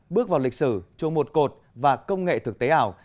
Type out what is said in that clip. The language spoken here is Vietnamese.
bước vào lịch sử chùa một cột và công nghệ thực tế ảo